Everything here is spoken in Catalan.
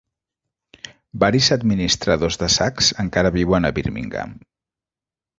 Varis administradors de Saks encara viuen a Birmingham.